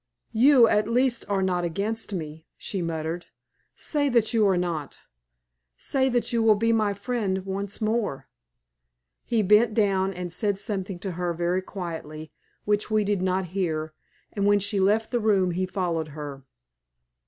"You at least are not against me," she murmured. "Say that you are not! Say that you will be my friend once more!" He bent down and said something to her very quietly, which we did not hear, and when she left the room he followed her.